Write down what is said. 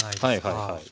はいはいはい。